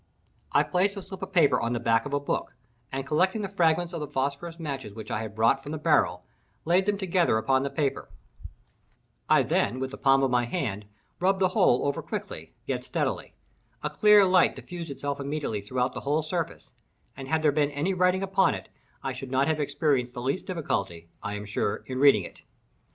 I placed the slip of paper on the back of a book, and, collecting the fragments of the phosphorus matches which I had brought from the barrel, laid them together upon the paper. I then, with the palm of my hand, rubbed the whole over quickly, yet steadily. A clear light diffused itself immediately throughout the whole surface; and had there been any writing upon it, I should not have experienced the least difficulty, I am sure, in reading it.